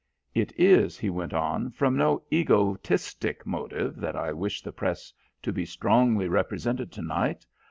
"It is," he went on, "from no egotistic motive that I wish the Press to be strongly represented to night.